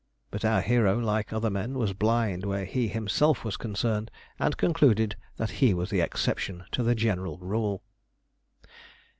But our hero, like other men, was blind where he himself was concerned, and concluded that he was the exception to the general rule.